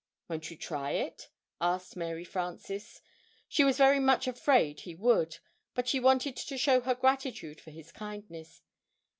"Won't you try it?" asked Mary Frances. She was very much afraid he would, but she wanted to show her gratitude for his kindness.